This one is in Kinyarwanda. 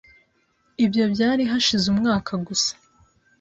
Ibyo byari hashize umwaka gusa .